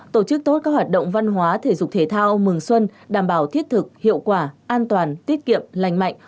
tổ chức tốt các hoạt động văn hóa thể dục thể thao mừng xuân đảm bảo thiết thực hiệu quả an toàn tiết kiệm lành mạnh